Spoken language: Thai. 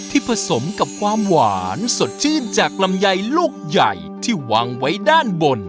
ผสมกับความหวานสดชื่นจากลำไยลูกใหญ่ที่วางไว้ด้านบน